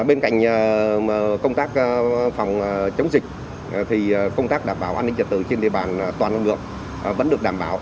bên cạnh công tác phòng chống dịch thì công tác đảm bảo an ninh trật tự trên địa bàn toàn huyện vẫn được đảm bảo